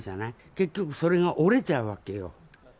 結局、それが折れちゃうわけよ。